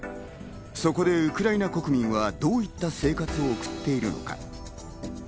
そこでウクライナ国民はどういった生活を送っているのか。